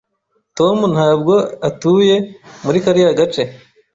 Tom ntabwo atuye muri kariya gace.